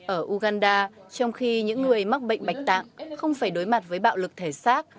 ở uganda trong khi những người mắc bệnh bạch tạng không phải đối mặt với bạo lực thể xác